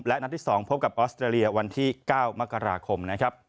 และนัดที่๒พบกับออสเตอรียาวันที่๙มกราคม